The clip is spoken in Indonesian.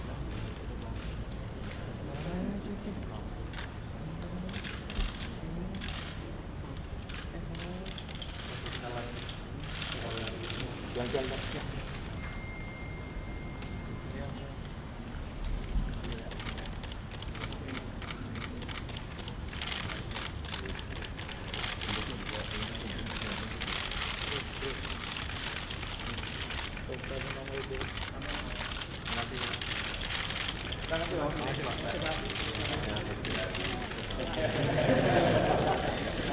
assalamu'alaikum warahmatullahi wabarakatuh